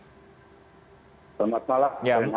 selamat malam pak denhat